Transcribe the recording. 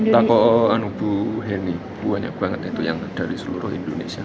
tako anubu heli banyak banget itu yang dari seluruh indonesia